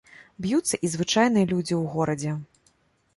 Б'юцца і звычайныя людзі ў горадзе.